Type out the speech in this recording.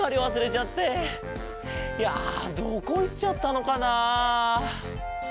いやどこいっちゃったのかな？